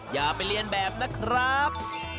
อย่าไปเรียนแบบนะครับ